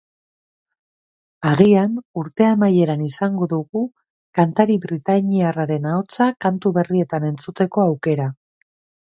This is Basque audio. Agian urte amaieran izango dugu kantari britainiarraren ahotsa kantu berrietan entzuteko aukera.